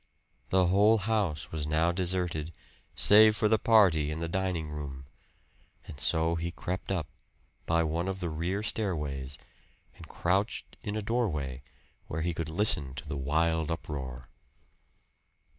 The whole house was now deserted, save for the party in the dining room; and so he crept up, by one of the rear stairways, and crouched in a doorway, where he could listen to the wild uproar.